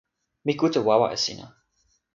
mi kute wawa e sina.